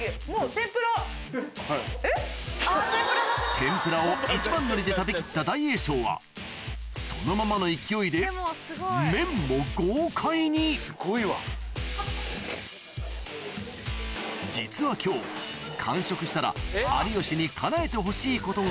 天ぷらを一番乗りで食べきった大栄翔はそのままの勢いで麺も豪快に実は今日完食したらあるそうで何ですか？